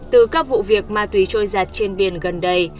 từ các vụ việc ma túy trôi giặt trên biển gần đây